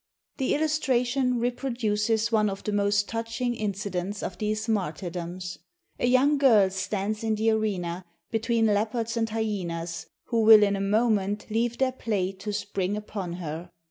The illustration reproduces one of the most touching incidents of these martyrdoms. A young girl stands in the arena between leopards and hyenas, who will in a moment leave their play to spring upon her.